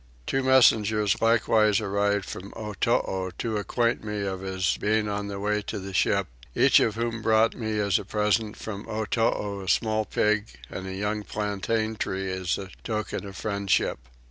Two messengers likewise arrived from Otoo to acquaint me of his being on his way to the ship; each of whom brought me as a present from Otoo a small pig and a young plantain tree as a token of friendship.